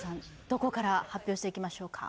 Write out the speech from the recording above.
どこから発表していきましょうか？